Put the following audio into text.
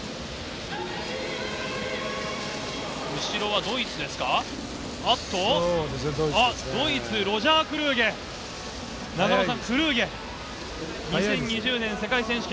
後ろはドイツですか？